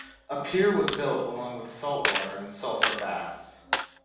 A pier was built, along with salt water and sulphur baths.